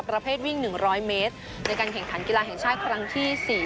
ประเภทวิ่ง๑๐๐เมตรในการกังกษันกีฬาแห่งชายประนันที่๔๖